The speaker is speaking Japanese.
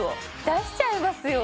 出しちゃいますよ。